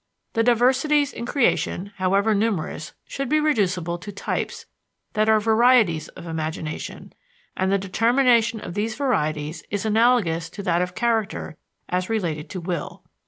The diversities in creation, however numerous, should be reducible to types that are varieties of imagination, and the determination of these varieties is analogous to that of character as related to will.